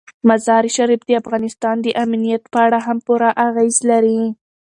مزارشریف د افغانستان د امنیت په اړه هم پوره اغېز لري.